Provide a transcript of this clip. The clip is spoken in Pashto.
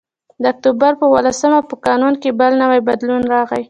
د اکتوبر په اوولسمه په قانون کې بل نوی بدلون راغی